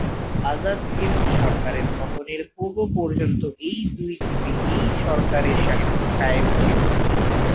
আজাদ হিন্দ সরকারের পতনের পূর্ব পর্যন্ত এই দুই দ্বীপে এই সরকারের শাসন কায়েম ছিল।